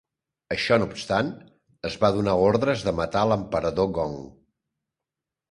Això no obstant, es van donar ordres de matar l'emperador Gong.